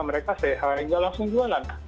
mereka saya hingga langsung jualan